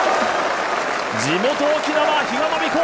地元・沖縄、比嘉真美子。